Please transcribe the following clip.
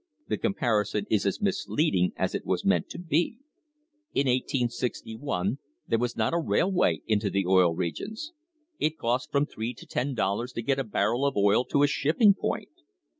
The comparison is as misleading as it was meant to be. In 1861 there was not a railway into the Oil Regions. It cost from three to ten dollars to get a barrel of oil to a shipping point.